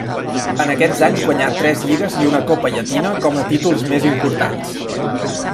En aquests anys guanyà tres lligues i una Copa Llatina com a títols més importants.